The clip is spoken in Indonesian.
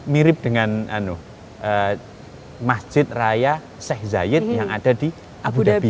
mirip dengan masjid raya sheikh zayed yang ada di abu dhabi